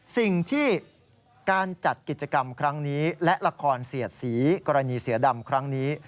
สิ่งที่การจัดกิจกรรมครั้งนี้และละครเสียดสีกรณีเสือดำครั้งนี้